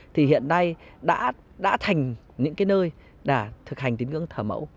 thì hiện nay đã thành những cái nơi thực hành tín ngưỡng thờ mẫu